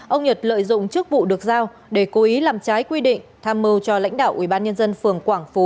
ông nhật lợi dụng chức vụ được giao để cố ý làm trái quy định tham mưu cho lãnh đạo ubnd phường quảng phú